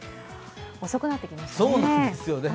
遅くなってきましたね。